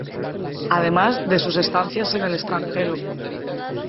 Además, de sus estancias en el extranjero.